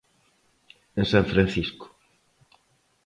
En San Francisco.